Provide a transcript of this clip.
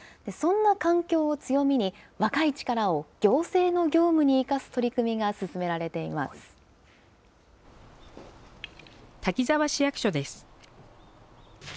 そんな環境を強みに、若い力を行政の業務に生かす取り組みが進め滝沢市役所です。